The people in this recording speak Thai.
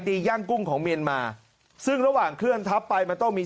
ย่างกุ้งของเมียนมาซึ่งระหว่างเคลื่อนทับไปมันต้องมี